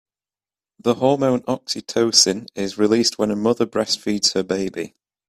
The hormone oxytocin is released when a mother breastfeeds her baby.